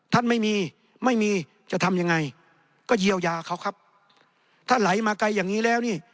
ท่านไม่มีไม่มีจะทำยังไงก็เยียวยาเขาครับถ้าไหลมาไกลอย่างนี้แล้วนี่